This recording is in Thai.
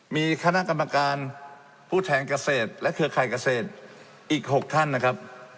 มีคณะกรรมการผู้แทนเกษตรและเครือข่ายเกษตรอีก๖ท่านนะครับ